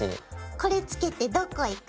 これ着けてどこ行く？